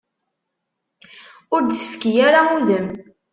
Ur d-tefki ara udem.